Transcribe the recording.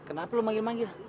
kenapa lo manggil manggil